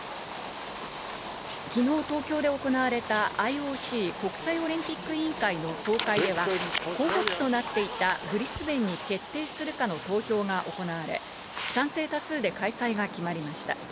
昨日、東京で行われたＩＯＣ＝国際オリンピック委員会の総会では、候補地となっていたブリスベンに決定するかの投票が行われ、賛成多数で開催が決まりました。